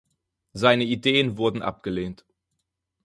Seine Ideen wurden abgelehnt.